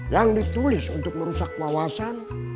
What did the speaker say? yang ditulis untuk merusak wawasan